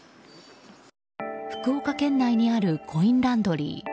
福岡県内にあるコインランドリー。